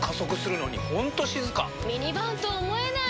ミニバンと思えない！